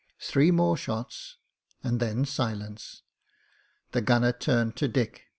Three more shots, and then silence. The gunner turned to Dick.